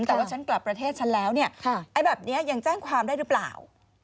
แต่ว่าฉันกลับประเทศฉันแล้วเนี่ยไอ้แบบนี้ยังแจ้งความได้หรือเปล่า